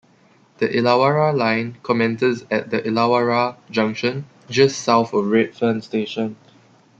The Illawarra line commences at the Illawarra Junction just south of Redfern station.